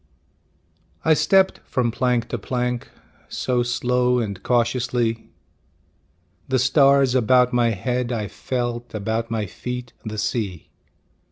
I stepped from plank to plank So slow and cautiously; The stars about my head I felt, About my feet the sea.